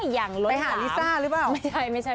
ยังรึย่าไปหาลิซ่าหรือบ้า